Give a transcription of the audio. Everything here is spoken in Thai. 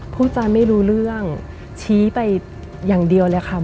พูดจาไม่รู้เรื่องชี้ไปอย่างเดียวเลยค่ะ